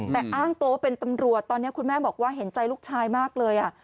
แต่อ้างตัวว่าเป็นตำรวจตอนนี้คุณแม่บอกว่าเห็นใจลูกชายมากเลย